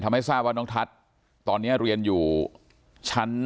ทำให้ทราบว่าน้องทัศน์ตอนนี้เรียนอยู่ชั้น๓